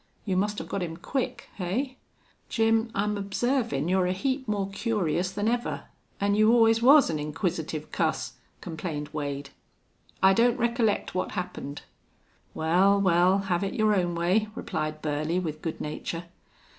You must have got him quick. Hey?" "Jim, I'm observin' you're a heap more curious than ever, an' you always was an inquisitive cuss," complained Wade. "I don't recollect what happened." "Wal, wal, have it your own way," replied Burley, with good nature.